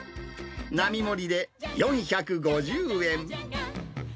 並盛りで４５０円。